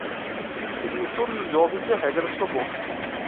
Ele seguiu todos os jogos e a rega da sua boca.